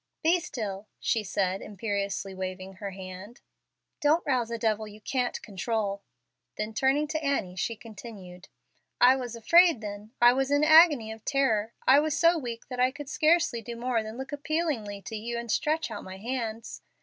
"Be still," she said, imperiously waving her hand. "Don't rouse a devil you can't control." Then turning to Annie, she continued, "I was afraid then; I was in an agony of terror. I was so weak that I could scarcely do more than look appealingly to you and stretch out my hands.